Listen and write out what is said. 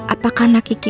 apakah anak gigi